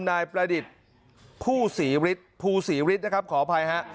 นายประเด็ดผู้ศรีรริตผูศรีริริตนะครับขออภัยฮะ